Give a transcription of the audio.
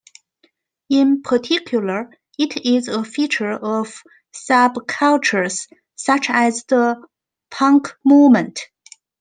In particular, it is a feature of subcultures such as the punk movement.